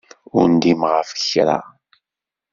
Ur ndimeɣ ɣef kra.